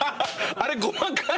あれごまかして。